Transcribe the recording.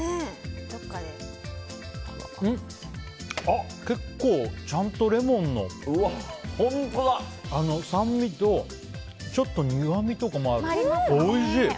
あ、結構ちゃんとレモンの酸味とちょっと苦みとかもある。